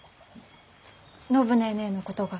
暢ネーネーのことが。